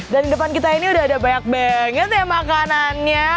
dan depan kita ini udah ada banyak banget ya makanannya